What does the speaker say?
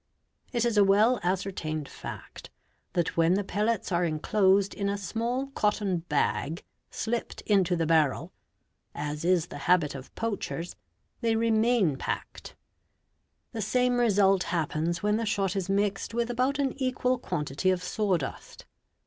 It is a well ascertained fact that when the pellets are enclosed in Ht a small cotton bag slipped into the barrel, as is the habit of poachers, they remain packed; the same result happens when the shot is mixed a vith about an equal quantity of sawdust.